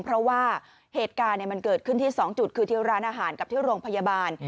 เพราะว่าเหตุการณ์มันเกิดขึ้นที่๒จุดคือที่ร้านอาหารกับที่โรงพยาบาล